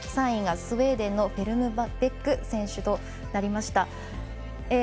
３位がスウェーデンのフェルムベック選手となりました。